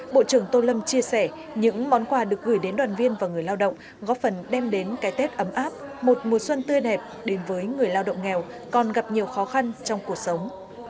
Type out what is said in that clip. bộ trưởng tô lâm chia sẻ những món quà được gửi đến đoàn viên và người lao động góp phần đem đến cái tết ấm áp một mùa xuân tươi đẹp đến với người lao động nghèo còn gặp nhiều khó khăn trong cuộc sống